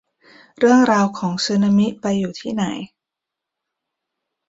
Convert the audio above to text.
เรื่องราวของสึนามิไปอยู่ที่ไหน